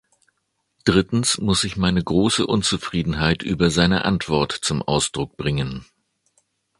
Drittens muss ich meine große Unzufriedenheit über seine Antwort zum Ausdruck bringen.